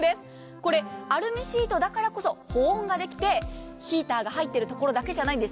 これアルミシートだからこそ保温ができてヒーターが入っているところだけじゃないんです。